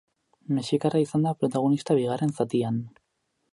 Mexikarra izan da protagonista bigarren zatian.